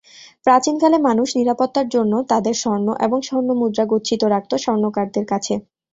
প্রাচীনকালে মানুষ নিরাপত্তার জন্য তাদের স্বর্ণ এবং স্বর্ণমুদ্রা গচ্ছিত রাখত স্বর্ণকারদের কাছে।